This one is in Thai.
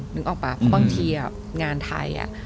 นึกออกปะเพราะบางทีอ่ะงานไทยอ่ะ